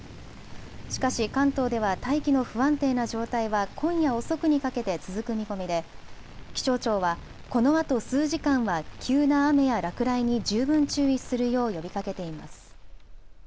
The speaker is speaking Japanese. しかし関東では大気の不安定な状態は今夜遅くにかけて続く見込みで気象庁はこのあと数時間は急な雨や落雷に十分注意するよう呼びかけています。